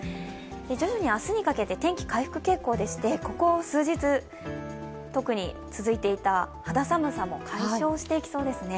徐々に明日にかけて天気回復傾向でして、ここ数日特に続いていた、肌寒さも解消していきそうですね。